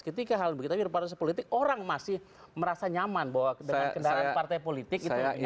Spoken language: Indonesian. ketika hal begitu dalam proses politik orang masih merasa nyaman bahwa dengan kendaraan partai politik itu nyaman